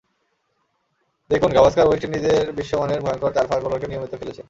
দেখুন, গাভাস্কার ওয়েস্ট ইন্ডিজের বিশ্বমানের ভয়ংকর চার ফাস্ট বোলারকে নিয়মিত খেলেছেন।